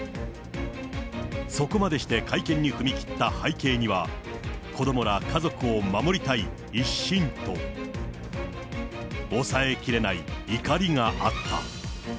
そこまでして会見に踏み切った背景には、子どもら家族を守りたい一心と、抑えきれない怒りがあった。